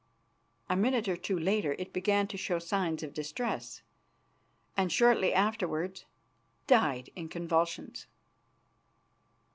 A minute or two later it began to show signs of distress and shortly afterwards died in convulsions.